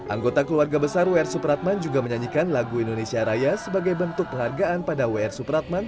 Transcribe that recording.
anggota keluarga besar wr supratman juga menyanyikan lagu indonesia raya sebagai bentuk penghargaan pada wr supratman